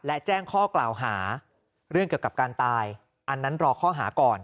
และแจ้งข้อกล่าวหาเรื่องเกี่ยวกับการตายอันนั้นรอข้อหาก่อน